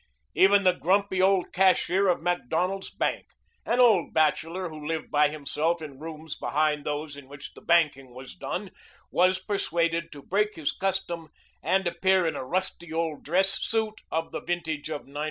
Even the grumpy old cashier of Macdonald's bank an old bachelor who lived by himself in rooms behind those in which the banking was done was persuaded to break his custom and appear in a rusty old dress suit of the vintage of '95.